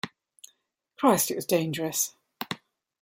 Christ, it was dangerous.